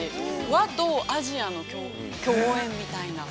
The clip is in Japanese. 和とアジアの共演みたいな。